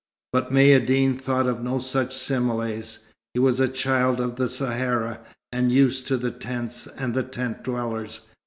But Maïeddine thought of no such similes. He was a child of the Sahara, and used to the tents and the tent dwellers.